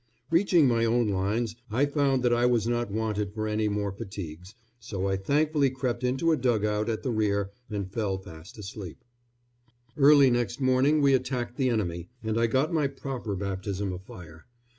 Reaching my own lines, I found that I was not wanted for any more fatigues, so I thankfully crept into a dug out at the rear and fell fast asleep. Early next morning we attacked the enemy, and I got my proper baptism of fire.